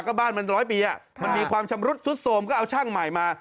ก็บ้านมันร้อยปีมันมีความชำรุดสุดโสมก็เอาช่างใหม่มา